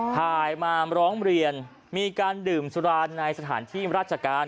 ถ่ายมาร้องเรียนมีการดื่มสุราในสถานที่ราชการ